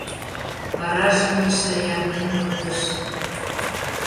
Варажым Миша ярнен пытыш.